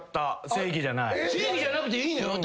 正義じゃなくていいのよ。